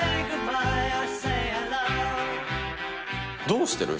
どうしてる？